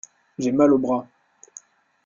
J’ai mal au bras.